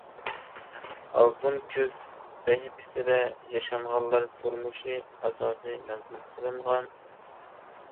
«ئالتۇن كۈز» سەھىپىسىدە، ياشانغانلار تۇرمۇشى ئاساسىي مەزمۇن قىلىنغان.